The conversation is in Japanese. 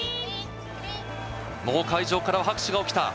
もう会場からは拍手が起きた。